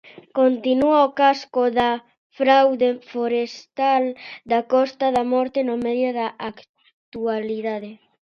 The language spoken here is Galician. Continúa o caso da fraude forestal da Costa da Morte no medio da actualidade.